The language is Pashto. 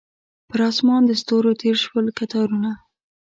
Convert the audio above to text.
پر اسمان د ستورو تیر شول کتارونه